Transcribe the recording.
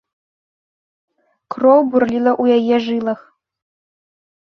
Кроў бурліла ў яе жылах.